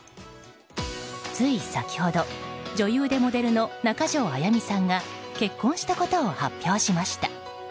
つい先ほど、女優でモデルの中条あやみさんが結婚したことを発表しました。